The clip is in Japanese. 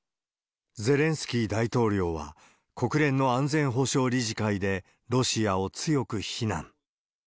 ゼレンスキー大統領は、国連の安全保障理事会で、ロシアを強く非難。